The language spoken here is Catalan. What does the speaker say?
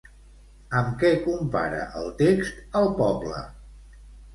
Amb què compara el text el poble?